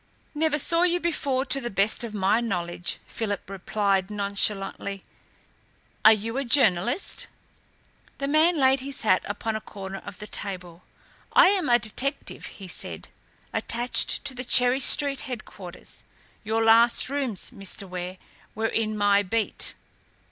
"Never saw you before, to the best of my knowledge," Philip replied nonchalantly. "Are you a journalist?" The man laid his hat upon a corner of the table. "I am a detective," he said, "attached to the Cherry Street headquarters. Your last rooms, Mr. Ware, were in my beat."